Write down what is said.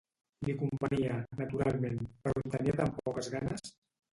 Li convenia, naturalment, però en tenia tant poques ganes!